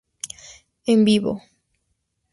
En vivo".